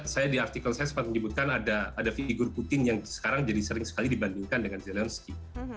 saya di artikel saya sempat menyebutkan ada figur putin yang sekarang jadi sering sekali dibandingkan dengan zelensky